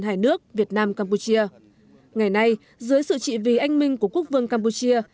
hai nước việt nam campuchia ngày nay dưới sự trị vì anh minh của quốc vương campuchia